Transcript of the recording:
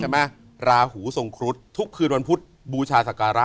ราหูทรงครุฑทุกคืนวันพุธบูชาสการะ